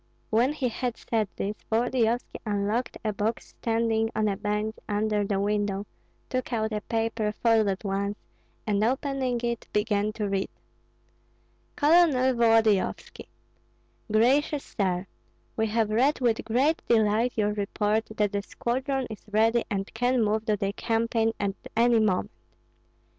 When he had said this, Volodyovski unlocked a box standing on a bench under the window, took out a paper folded once, and opening it began to read: Colonel Volodyovski: Gracious Sir, We have read with great delight your report that the squadron is ready and can move to the campaign at any moment.